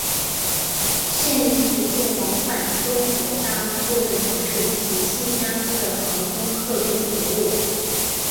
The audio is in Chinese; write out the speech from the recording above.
现提供往返中国大陆部分城市及新加坡的航空客运服务。